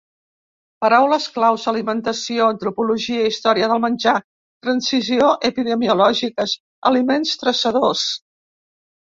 Paraules clau: alimentació, antropologia, història del menjar, transició epidemiològica, aliments traçadors.